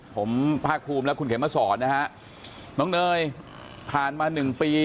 ผมภาคภูมิและคุณเขมมาสอนนะฮะน้องเนยผ่านมาหนึ่งปี